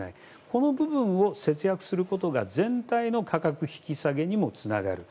この部分を節約することが全体の価格引き下げにもつながる。